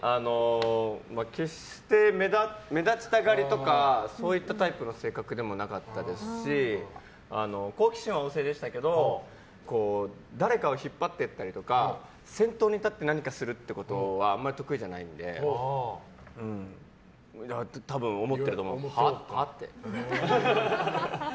決して目立ちたがりとかそういったタイプの性格でもなかったですし好奇心は旺盛でしたけど誰かを引っ張ってったりとか先頭に立って何かをするということはあんまり得意じゃないのでたぶんは？って思っていると思います。